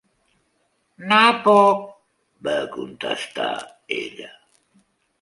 "No puc", va contestar ella.